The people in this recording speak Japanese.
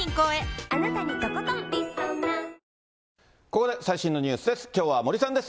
ここで最新のニュースです。